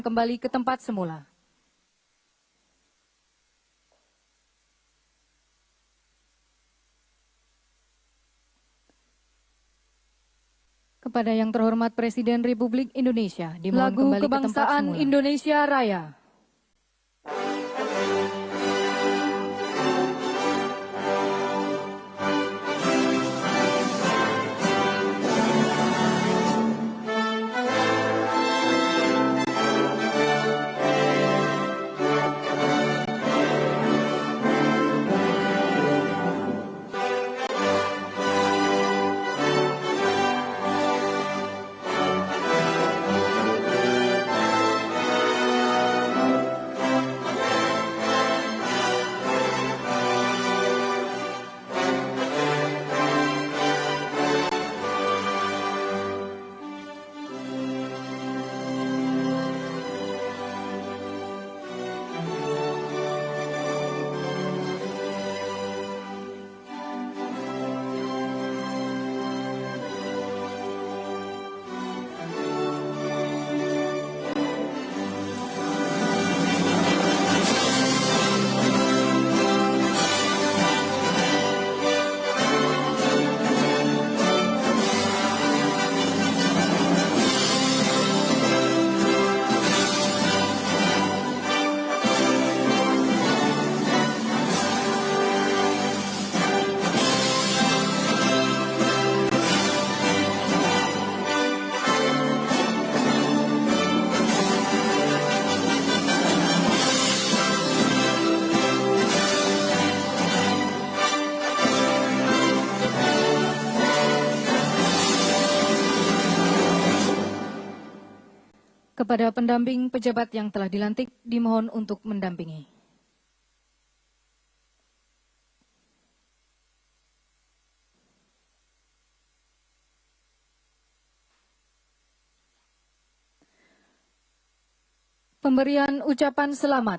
persiapan penandatanganan berita acara penandatanganan berita acara penandatanganan